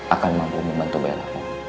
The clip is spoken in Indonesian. akan mampu membantu bella